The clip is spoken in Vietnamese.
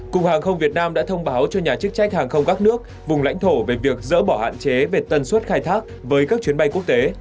cục hàng không việt nam đã thông báo cho nhà chức trách hàng không các nước vùng lãnh thổ về việc dỡ bỏ hạn chế về tần suất khai thác với các chuyến bay quốc tế